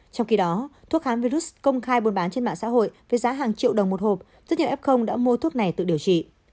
trong khi đó thuốc kháng virus công khai buôn bán trên mạng xã hội với giá hàng triệu đồng một hộp rất nhiều f đã mua thuốc này tự điều trị